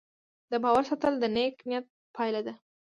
د باور ساتل د نیک نیت پایله ده.